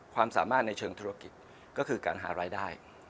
ความสามารถในเชิงธุรกิจก็คือการหารายได้